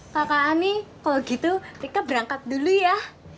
kaka ani kalau gitu rika berangkat dulu ya